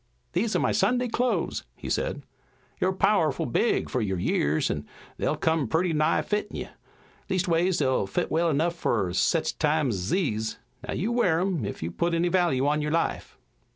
"These are my Sunday clothes," he said. "You're pow'ful big fur your years, an' they'll come purty nigh fittin' you. Leastways, they'll fit well enough fur sech times ez these. Now you wear 'em, ef you put any value on your life."